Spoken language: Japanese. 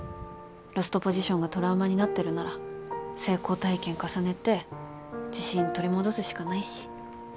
ロストポジションがトラウマになってるなら成功体験重ねて自信取り戻すしかないし。